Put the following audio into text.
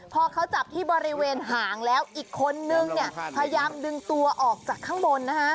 พอเขาจับที่บริเวณหางแล้วอีกคนนึงเนี่ยพยายามดึงตัวออกจากข้างบนนะฮะ